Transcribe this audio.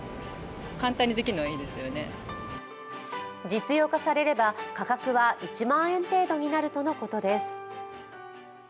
実用化されれば価格は１万円程度になるということです。